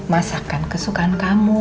masakan kesukaan kamu